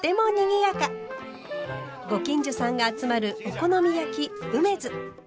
ご近所さんが集まるお好み焼きうめづ。